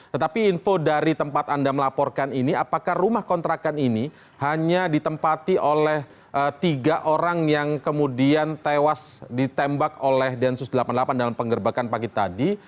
tetapi info dari tempat anda melaporkan ini apakah rumah kontrakan ini hanya ditempati oleh tiga orang yang kemudian tewas ditembak oleh densus delapan puluh delapan dalam penggerbakan pagi tadi